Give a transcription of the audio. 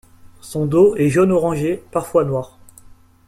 Son dos est jaune orangé, parfois noir.